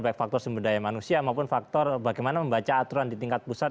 baik faktor sumber daya manusia maupun faktor bagaimana membaca aturan di tingkat pusat